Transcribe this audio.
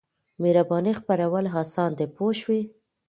مهربانۍ خپرول اسان دي پوه شوې!.